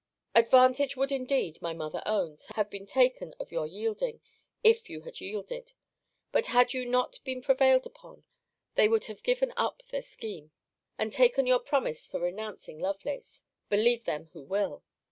Advantage would indeed, my mother owns, have been taken of your yielding, if you had yielded. But had you not been prevailed upon, they would have given up their scheme, and taken your promise for renouncing Lovelace Believe them who will!